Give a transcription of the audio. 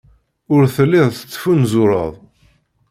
Ur telliḍ tettfunzureḍ.